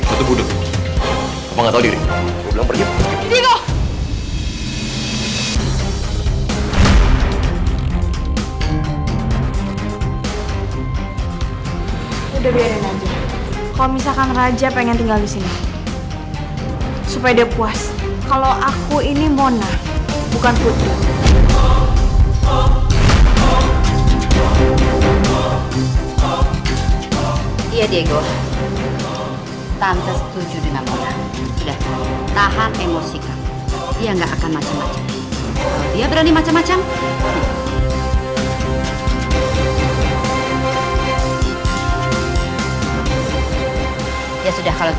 oh enggak enggak enggak gak ada tanda